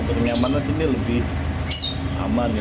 kalau bernyaman lebih aman ya